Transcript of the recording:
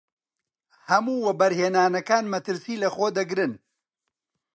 هەموو وەبەرهێنانەکان مەترسی لەخۆ دەگرن.